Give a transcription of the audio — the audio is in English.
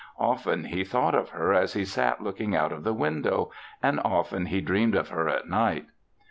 Often he thought of her as he sat looking out of the window and often he dreamed of her at night.